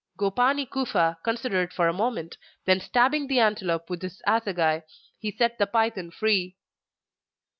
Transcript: Gopani Kufa considered for a moment, then stabbing the antelope with his assegai, he set the python free.